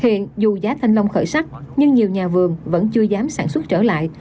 hiện dù giá thanh long khởi sắc nhưng nhiều nhà vườn vẫn chưa dám sản xuất trở lại